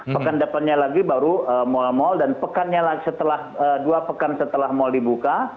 pekan depannya lagi baru mal mal dan pekannya setelah dua pekan setelah mal dibuka